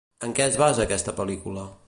En què es basa aquesta pel·lícula?